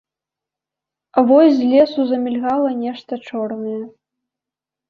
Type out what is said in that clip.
Вось з лесу замільгала нешта чорнае.